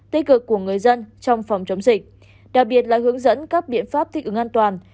tích cực của người dân trong phòng chống dịch đặc biệt là hướng dẫn các biện pháp thích ứng an toàn